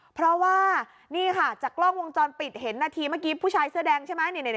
เพราะว่านี่ค่ะจากกล้องวงจรปิดเห็นนาทีเมื่อกี้ผู้ชายเสื้อแดงใช่ไหม